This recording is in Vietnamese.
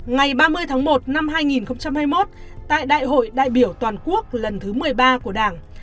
ngày ba mươi tháng một năm hai nghìn hai mươi một tại đại hội đại biểu toàn quốc lần thứ một mươi ba của đảng